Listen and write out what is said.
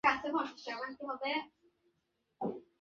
আমার নিজের উপর যে কী ঘৃণা হইয়াছে তাহা কী করিয়া প্রকাশ করিব।